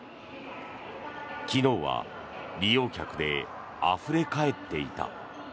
昨日は利用客であふれ返っていた。